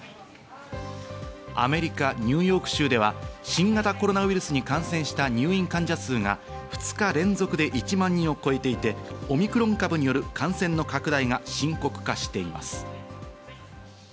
アメリカ・ニューヨーク州では新型コロナウイルスに感染した入院患者数が２日連続で１万人を超えていて、オミクロン株による感染の拡大が深刻化しています。